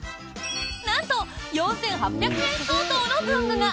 なんと４８００円相当の文具が！